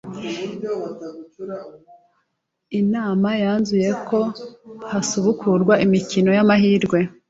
Inama yanzuye ko hasubukurwa imikino y’amahirwe